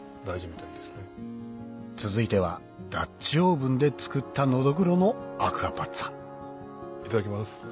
続いてはダッチオーブンで作ったのどぐろのアクアパッツァいただきます。